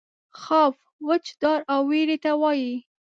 خوف وچ ډار او وېرې ته وایي.